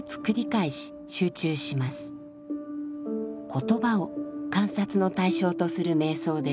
言葉を観察の対象とする瞑想です。